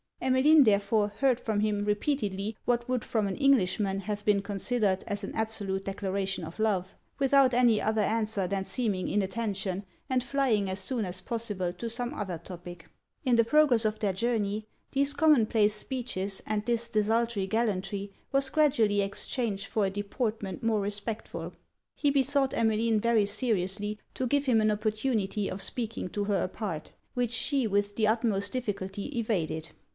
Emmeline therefore heard from him repeatedly what would from an Englishman have been considered as an absolute declaration of love, without any other answer than seeming inattention, and flying as soon as possible to some other topic. In the progress of their journey these common place speeches and this desultory gallantry was gradually exchanged for a deportment more respectful. He besought Emmeline very seriously to give him an opportunity of speaking to her apart; which she with the utmost difficulty evaded.